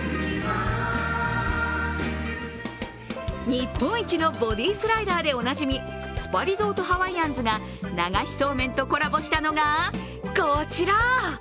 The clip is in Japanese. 日本一のボディスライダーでおなじみ、スパリゾートハワイアンズが流しそうめんとコラボしたのがこちら。